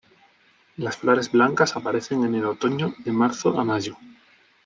Las flores blancas aparecen en el otoño de marzo a mayo.